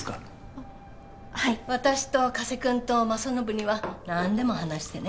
あっはい私と加瀬君と政信には何でも話してね